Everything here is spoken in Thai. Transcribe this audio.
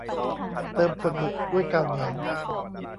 เติมขวดหมึกด้วยกาวเหนียว